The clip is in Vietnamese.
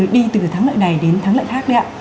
đi từ thắng lợi này đến thắng lợi khác đấy ạ